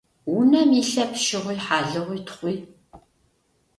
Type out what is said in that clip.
Унэм илъэп щыгъуи, хьалыгъуи, тхъуи.